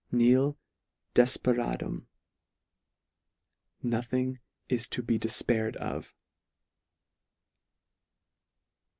" Nil defperandum." Nothing is to be defpaired of.